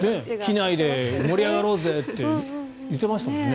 機内で盛り上がろうぜって言ってましたよね。